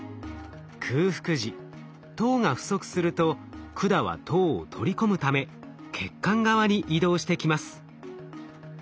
空腹時糖が不足すると管は糖を取り込むため血管側に移動してきます。